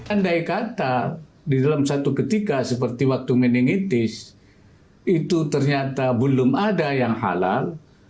andai kata di dalam satu ketika seperti waktu meningitis itu ternyata belum ada yang halal